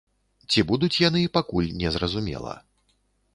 Ці будуць яны, пакуль незразумела.